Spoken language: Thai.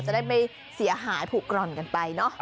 จะได้ไปเสียหาผุกรรณกันไปเนอะ